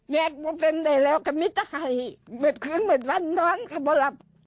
แม่ก็เต็มไปร้าวแซมีทใกล้